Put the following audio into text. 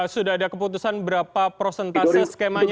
sudah ada keputusan berapa prosentase skemanya